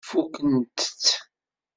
Fukkent-tt?